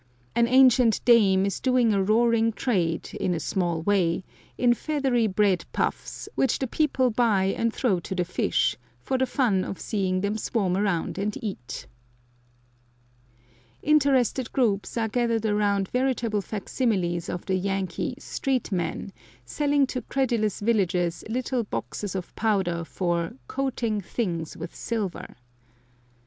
An ancient dame is doing a roaring trade, in a small way, in feathery bread puffs, which the people buy and throw to the fish, for the fun of seeing them swarm around and eat. Interested groups are gathered around veritable fac similes of the Yankee "street men," selling to credulous villagers little boxes of powder for "coating things with silver."